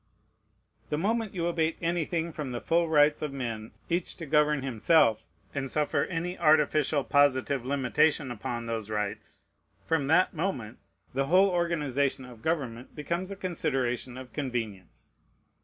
The moment you abate anything from the full rights of men each to govern himself, and suffer any artificial, positive limitation upon those rights, from that moment the whole organization of government becomes a consideration of convenience.